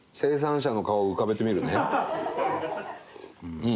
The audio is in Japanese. うん。